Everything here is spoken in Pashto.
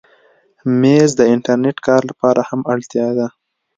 مېز د انټرنېټ کار لپاره هم اړتیا ده.